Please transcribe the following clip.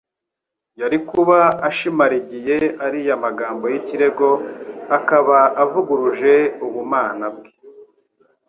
yari kuba ashimarigiye ariya magambo y'ikirego, akaba avuguruje ubumana bwe.